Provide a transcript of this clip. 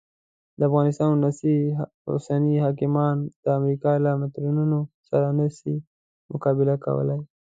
د افغانستان اوسني حاکمان د امریکا له منترونو سره نه سي مقابله کولای.